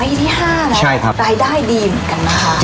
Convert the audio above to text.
ที่๕นะรายได้ดีเหมือนกันนะคะ